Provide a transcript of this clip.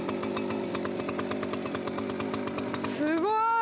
すごい！